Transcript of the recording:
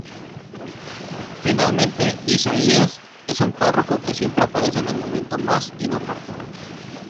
Finalmente, "Isaías" es un párroco que siempre aparece en el momento más inoportuno.